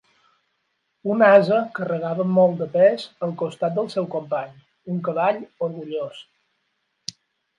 Un ase carregava amb molt de pes al costat del seu company, un cavall orgullós.